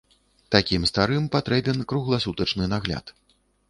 Такім старым патрэбен кругласутачны нагляд.